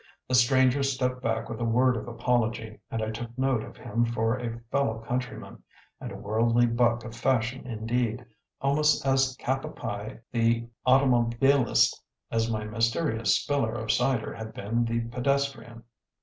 The stranger stepped back with a word of apology, and I took note of him for a fellow countryman, and a worldly buck of fashion indeed, almost as cap a pie the automobilist as my mysterious spiller of cider had been the pedestrian.